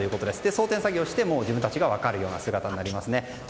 装丁作業をして自分たちが分かるような姿になります。